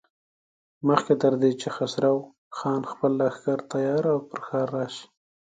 مخکې تر دې چې خسرو خان خپل لښکر تيار او پر ښار راشي.